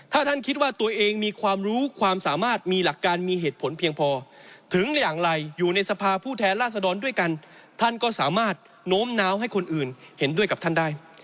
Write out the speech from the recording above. ถ้าท่านคิดว่าตัวเองมีความรู้ความสามารถมีหลักการมีเหตุผลเพียงพอถึงอย่างไรอยู่ในสภาผู้แทนราษดรด้วยกันท่านก็สามารถโน้มน้าวให้คนอื่นเห็นด้วยกับท่านได้